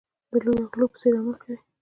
د لویو غلو په څېر عمل کوي.